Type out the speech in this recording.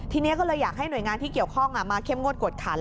ทีนี้ก็เลยอยากให้หน่วยงานที่เกี่ยวข้องมาเข้มงวดกวดขัน